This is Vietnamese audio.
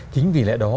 chính vì lẽ đó